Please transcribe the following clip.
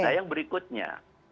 nah yang berikutnya